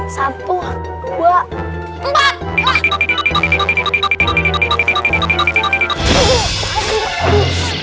satu dua empat